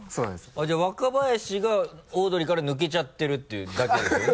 あっじゃあ若林がオードリーから抜けちゃってるていうだけですよね？